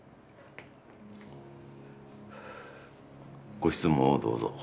ご質問をどうぞ。